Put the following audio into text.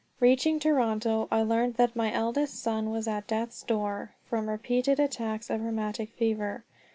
Reaching Toronto, I learned that my eldest son was at death's door from repeated attacks of rheumatic fever.